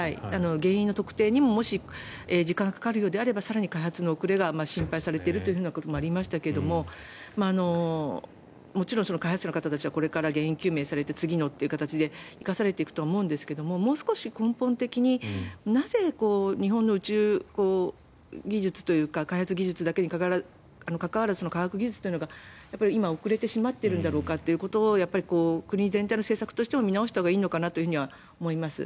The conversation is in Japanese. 原因の特定にも時間がかかるようであれば更に開発の遅れが心配されているということもありましたがもちろん開発者の方たちはこれから原因究明されて次のという形で生かされていくと思うんですけどもう少し根本的になぜ日本の宇宙技術というか開発技術だけに関わらず科学技術というのが今遅れてしまっているんだろうかということを国全体の政策としても見直したほうがいいのかなと思います。